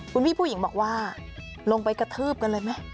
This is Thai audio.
คุณพี่ผู้หญิงบอกว่าลงไปกระทืบกันเลยไหม